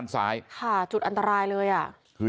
ใช่จุดอันตรายเลย